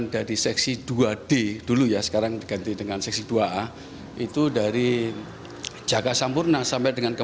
dari seksi dua d dulu ya sekarang diganti dengan seksi dua a itu dari jaga sampurna sampai dengan ke